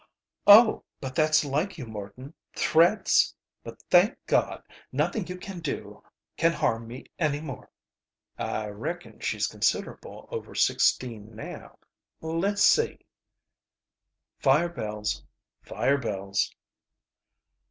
"Oh, but that's like you, Morton! Threats! But, thank God, nothing you can do can harm me any more." "I reckon she's considerable over sixteen now. Let's see " Fire bells. Fire bells.